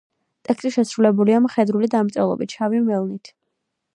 ტექსტი შესრულებულია მხედრული დამწერლობით, შავი მელნით.